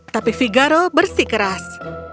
tapi figaro bersih keras